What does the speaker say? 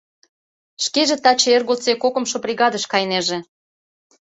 Шкеже таче эр годсек кокымшо бригадыш кайнеже.